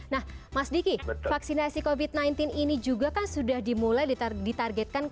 nah mas diki vaksinasi covid sembilan belas ini juga kan sudah dimulai ditargetkan